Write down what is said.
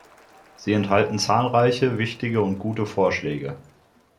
Sie enthalten zahlreiche wichtige und gute Vorschläge.